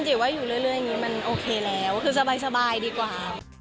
ถือว่าอยู่เรื่อยอย่างนี้มันโอเคแล้วคือสบายดีกว่า